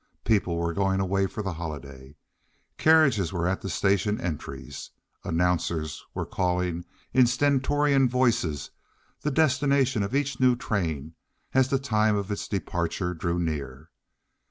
People were going away for the holiday. Carriages were at the station entries. Announcers were calling in stentorian voices the destination of each new train as the time of its departure drew near.